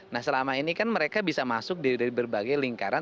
nah selama ini kan mereka bisa masuk dari berbagai lingkaran